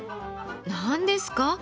何ですか？